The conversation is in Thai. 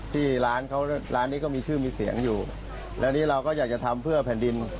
ที่ร้านนี้ก็มีชื่อมีเสียงอยู่และนี่เราก็อยากจะทำเพื่อแผ่นดิน